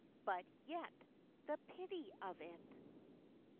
"BUT YET THE PITY OF IT."